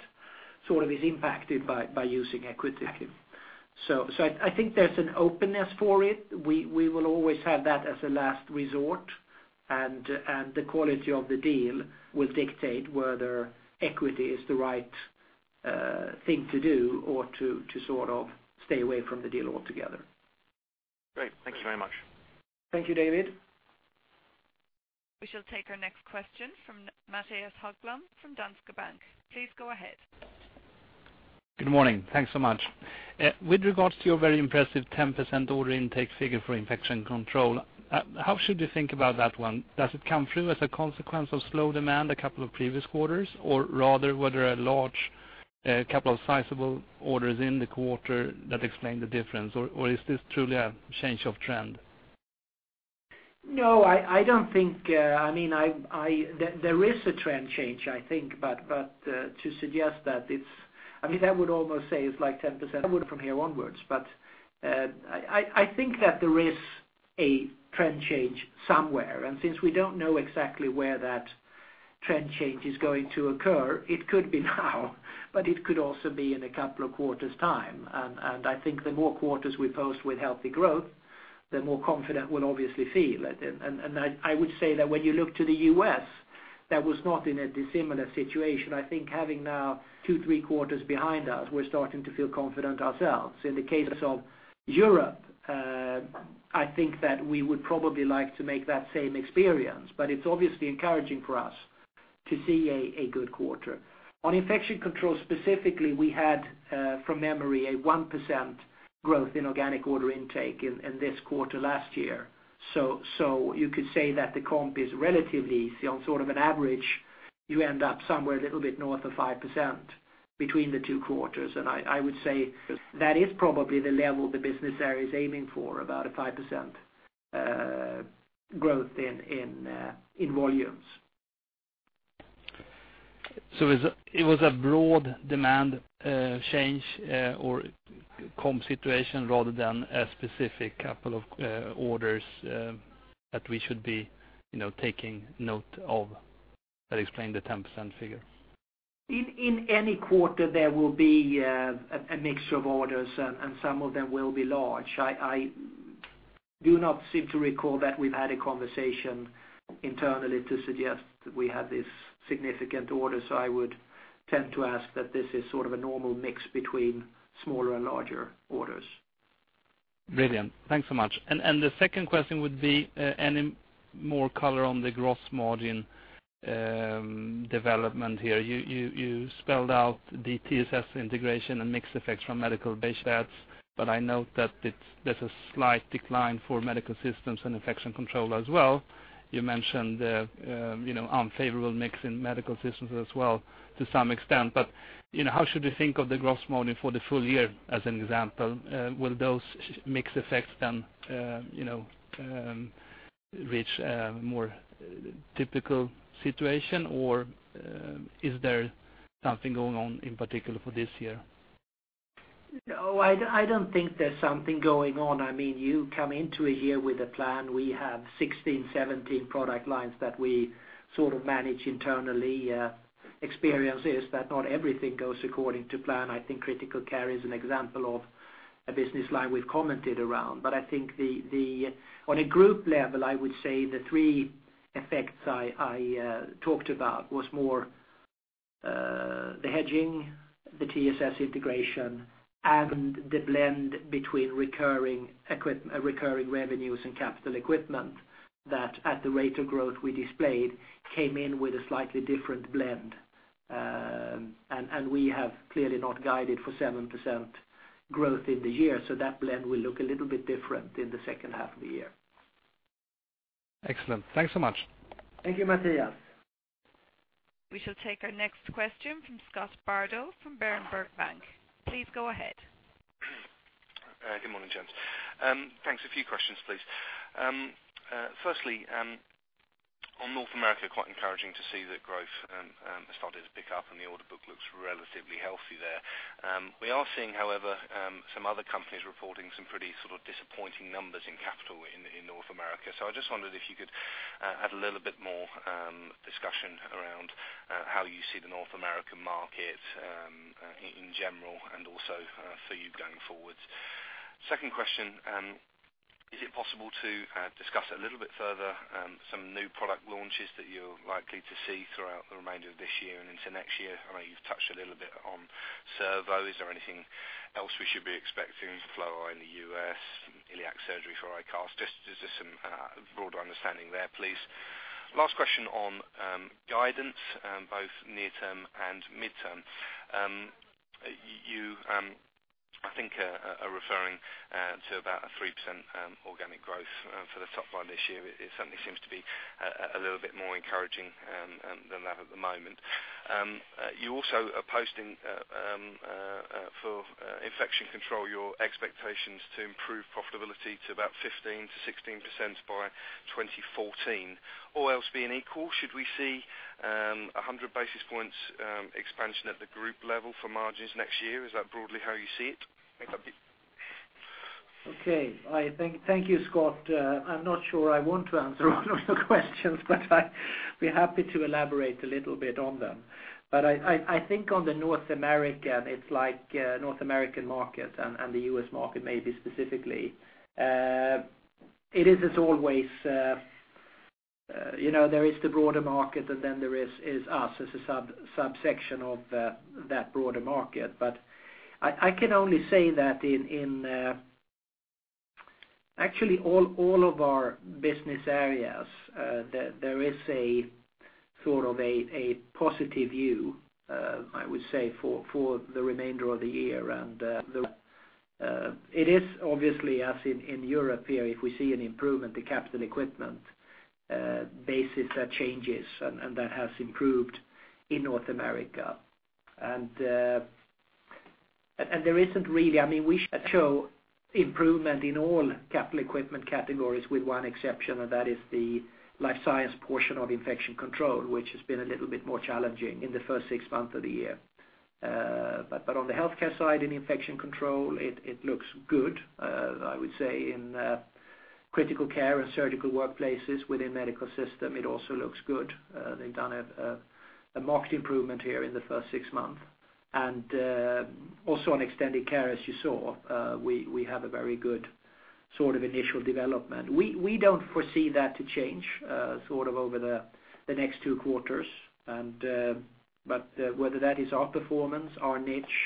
sort of is impacted by using equity. So I think there's an openness for it. We will always have that as a last resort, and the quality of the deal will dictate whether equity is the right thing to do or to sort of stay away from the deal altogether. Great. Thank you very much. Thank you, David. We shall take our next question from Mattias Häggblom from Danske Bank. Please go ahead. Good morning. Thanks so much. With regards to your very impressive 10% order intake figure for Infection Control, how should you think about that one? Does it come through as a consequence of slow demand a couple of previous quarters, or rather, were there a large, a couple of sizable orders in the quarter that explain the difference, or, or is this truly a change of trend? No, I don't think, I mean... There is a trend change, I think, but to suggest that it's—I mean, I would almost say it's like 10% from here onwards. But I think that there is a trend change somewhere, and since we don't know exactly where that trend change is going to occur, it could be now, but it could also be in a couple of quarters' time. And I would say that when you look to the U.S., that was not in a dissimilar situation. I think having now two, three quarters behind us, we're starting to feel confident ourselves. In the case of Europe, I think that we would probably like to make that same experience, but it's obviously encouraging for us to see a good quarter. On Infection Control, specifically, we had, from memory, a 1% growth in organic order intake in this quarter last year. So you could say that the comp is relatively easy. On sort of an average, you end up somewhere a little bit north of 5% between the two quarters. And I would say that is probably the level the business area is aiming for, about a 5% growth in volumes. It was a broad demand change or comp situation rather than a specific couple of orders that we should be, you know, taking note of that explain the 10% figure? In any quarter, there will be a mix of orders, and some of them will be large. I do not seem to recall that we've had a conversation internally to suggest that we had this significant order, so I would tend to ask that this is sort of a normal mix between smaller and larger orders. Brilliant. Thanks so much. And the second question would be, any more color on the gross margin, development here? You spelled out the TSS integration and mix effects from medical beds, but I note that it's, there's a slight decline for Medical Systems and Infection Control as well. You mentioned the, you know, unfavorable mix in Medical Systems as well, to some extent. But, you know, how should we think of the gross margin for the full year, as an example? Will those mix effects then, you know, reach a more typical situation, or, is there something going on in particular for this year? No, I, I don't think there's something going on. I mean, you come into a year with a plan. We have 16, 17 product lines that we sort of manage internally. Experience is that not everything goes according to plan. I think critical care is an example of a business line we've commented around. But I think the, the on a group level, I would say the three effects I talked about was more the hedging, the TSS integration, and the blend between recurring revenues and capital equipment, that at the rate of growth we displayed, came in with a slightly different blend. And we have clearly not guided for 7% growth in the year, so that blend will look a little bit different in the second half of the year. Excellent. Thanks so much. Thank you, Mattias. We shall take our next question from Scott Bardo from Berenberg Bank. Please go ahead. Good morning, gents. Thanks. A few questions, please. Firstly, on North America, quite encouraging to see that growth has started to pick up, and the order book looks relatively healthy there. We are seeing, however, some other companies reporting some pretty sort of disappointing numbers in capital in North America. So I just wondered if you could add a little bit more discussion around how you see the North American market in general, and also for you going forward. Second question, is it possible to discuss a little bit further some new product launches that you're likely to see throughout the remainder of this year and into next year? I know you've touched a little bit on Servo. Is there anything else we should be expecting to flow in the U.S., iliac surgery for iCast? Just, just some broader understanding there, please. Last question on guidance, both near term and midterm. You I think are referring to about a 3% organic growth for the top line this year. It certainly seems to be a little bit more encouraging than that at the moment. You also are posting for Infection Control your expectations to improve profitability to about 15%-16% by 2014. All else being equal, should we see a hundred basis points expansion at the group level for margins next year? Is that broadly how you see it? I think that'd be- Okay. I thank you, Scott. I'm not sure I want to answer all of your questions, but I'd be happy to elaborate a little bit on them. But I think on the North American, it's like, North American market and the U.S. market, maybe specifically. It is as always, you know, there is the broader market, and then there is us as a subsection of that broader market. But I can only say that in actually all of our business areas, there is a sort of a positive view, I would say, for the remainder of the year. It is obviously, as in Europe here, if we see an improvement, the capital equipment basis, that changes, and that has improved in North America. There isn't really... I mean, we show improvement in all capital equipment categories, with one exception, and that is the Life Science portion of Infection Control, which has been a little bit more challenging in the first six months of the year. But on the healthcare side, in Infection Control, it looks good. I would say in critical care and surgical workplaces within Medical Systems, it also looks good. They've done a marked improvement here in the first six months. Also on Extended Care, as you saw, we have a very good sort of initial development. We don't foresee that to change, sort of over the next two quarters. But whether that is our performance, our niche,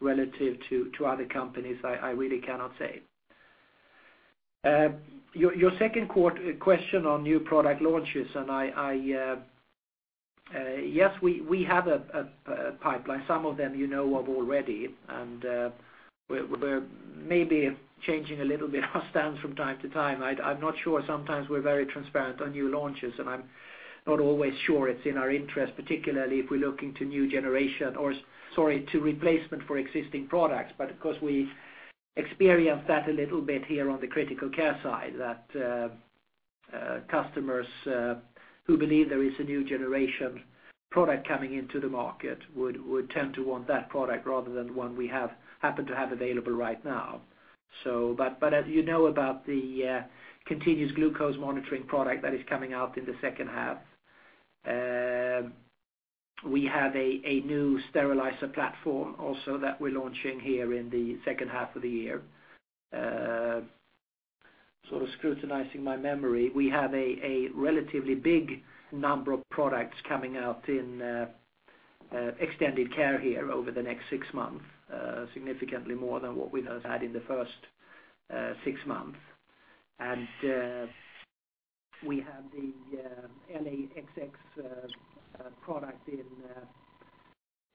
relative to other companies, I really cannot say. Your second question on new product launches, and yes, we have a pipeline. Some of them you know of already, and we're maybe changing a little bit our stance from time to time. I'm not sure. Sometimes we're very transparent on new launches, and I'm not always sure it's in our interest, particularly if we're looking to replacement for existing products. But of course, we experience that a little bit here on the critical care side, that customers who believe there is a new generation product coming into the market would tend to want that product rather than one we happen to have available right now. So, but as you know about the continuous glucose monitoring product that is coming out in the second half, we have a new sterilizer platform also that we're launching here in the second half of the year. Sort of scrutinizing my memory, we have a relatively big number of products coming out in extended care here over the next six months, significantly more than what we just had in the first six months. We have the LAXX product in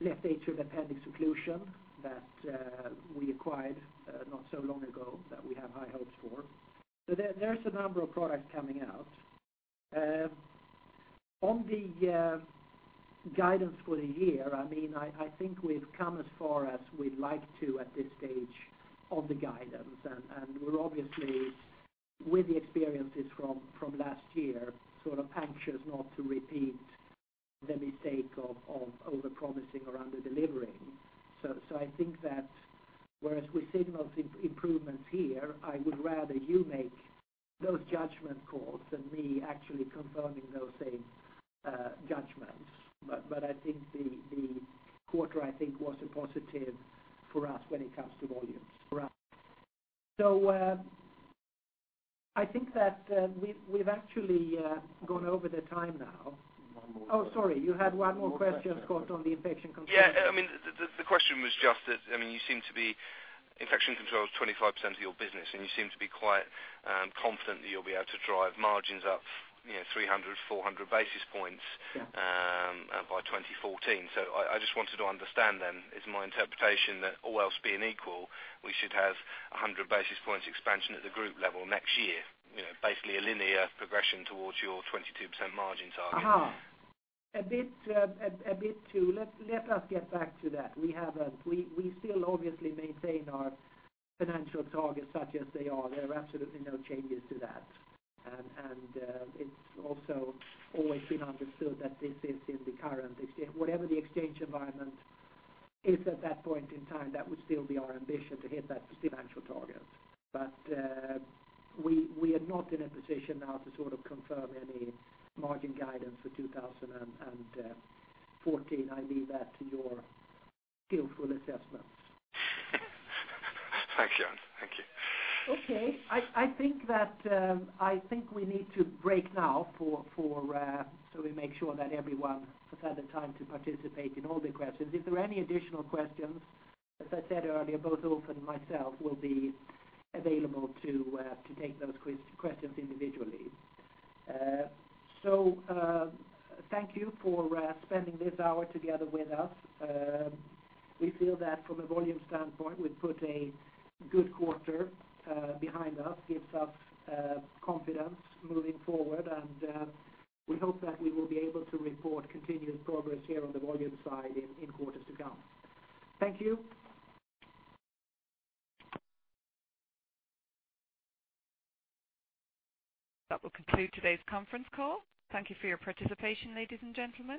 left atrium appendix occlusion that we acquired not so long ago, that we have high hopes for. So, there's a number of products coming out. On the guidance for the year, I mean, I think we've come as far as we'd like to at this stage on the guidance. And we're obviously, with the experiences from last year, sort of anxious not to repeat the mistake of over-promising or under-delivering. So I think that whereas we signaled improvements here, I would rather you make those judgment calls than me actually confirming those same judgments. But I think the quarter was a positive for us when it comes to volumes for us. So, I think that we've actually gone over the time now. One more question. Oh, sorry, you had one more question, Scott, on the Infection Control? Yeah, I mean, the question was just that, I mean, you seem to be -- Infection Control is 25% of your business, and you seem to be quite confident that you'll be able to drive margins up, you know, 300-400 basis points by 2014. So I just wanted to understand then, is my interpretation that, all else being equal, we should have 100 basis points expansion at the group level next year, you know, basically a linear progression towards your 22% margin target? Aha! A bit to... Let us get back to that. We haven't -- we still obviously maintain our financial targets such as they are. There are absolutely no changes to that. And it's also always been understood that this is in the current ex- whatever the exchange environment is at that point in time, that would still be our ambition to hit that financial target. But we are not in a position now to sort of confirm any margin guidance for 2014. I leave that to your skillful assessments. Thank you. Thank you. Okay. I think we need to break now so we make sure that everyone has had the time to participate in all the questions. If there are any additional questions, as I said earlier, both Ulf and myself will be available to take those questions individually. So, thank you for spending this hour together with us. We feel that from a volume standpoint, we've put a good quarter behind us, gives us confidence moving forward, and we hope that we will be able to report continued progress here on the volume side in quarters to come. Thank you. That will conclude today's conference call. Thank you for your participation, ladies and gentlemen.